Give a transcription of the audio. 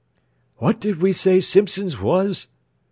"What did we say Simpson's was?"